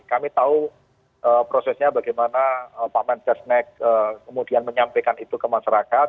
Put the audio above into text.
kami tahu prosesnya bagaimana pak menkesnek kemudian menyampaikan itu ke masyarakat